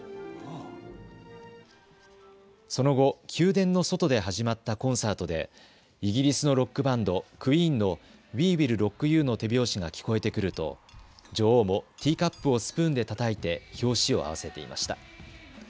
その後、宮殿の外で始まったコンサートで、イギリスのロックバンド、クイーンのウィ・ウィル・ロック・ユーの手拍子が聞こえてくると女王もティーカップをスプーンでたたいて拍子を合わせていました。